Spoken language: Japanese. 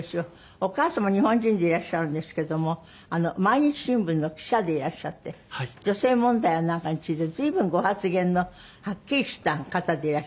お母様日本人でいらっしゃるんですけども毎日新聞の記者でいらっしゃって女性問題やなんかについて随分ご発言のはっきりした方でいらっしゃって。